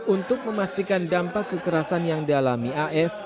untuk memastikan dampak kekerasan yang dialami af